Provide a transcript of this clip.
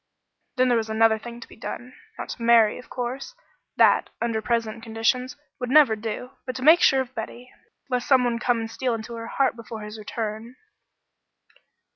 Then there was another thing to be done. Not to marry, of course; that, under present conditions, would never do; but to make sure of Betty, lest some one come and steal into her heart before his return.